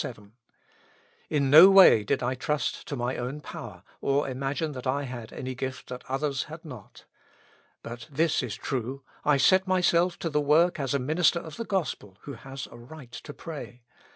In no way did I trust to my own power, or imagine that I had any gift that others had not. But this is true, I set myself to the work as a minister of the gospel, who has a right to pray.